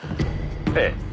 「ええ」